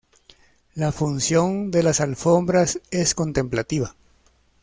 La función de las alfombras es contemplativa.